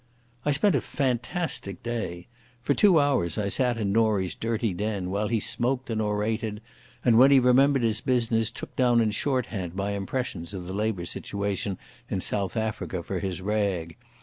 I spent a fantastic day. For two hours I sat in Norie's dirty den, while he smoked and orated, and, when he remembered his business, took down in shorthand my impressions of the Labour situation in South Africa for his rag.